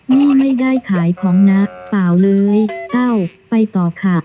นี่ไม่ได้ขายของนะเปล่าเลยเอ้าไปต่อค่ะ